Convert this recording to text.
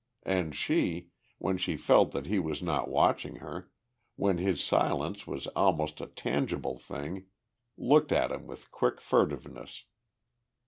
And she, when she felt that he was not watching her, when his silence was almost a tangible thing, looked at him with quick furtiveness.